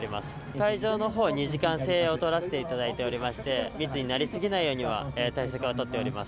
会場のほう、２時間制を取らせていただいておりまして、密になり過ぎないようには対策は取っております。